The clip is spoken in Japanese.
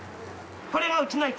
これがうちの。